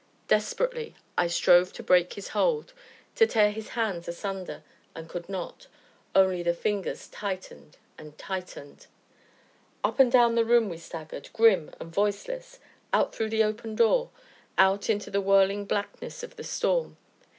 Desperately I strove to break his hold, to tear his hands asunder, and could not; only the fingers tightened and tightened. Up and down the room we staggered, grim and voiceless out through the open door out into the whirling blackness of the storm.